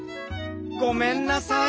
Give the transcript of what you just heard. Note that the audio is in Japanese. ごめんなさい。